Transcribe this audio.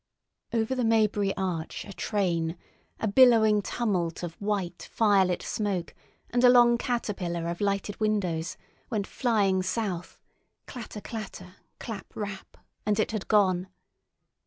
Over the Maybury arch a train, a billowing tumult of white, firelit smoke, and a long caterpillar of lighted windows, went flying south—clatter, clatter, clap, rap, and it had gone.